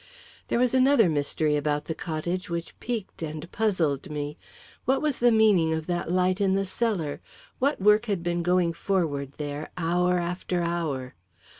There was another mystery about the cottage which piqued and puzzled me. What was the meaning of that light in the cellar? What work had been going forward there, hour after hour?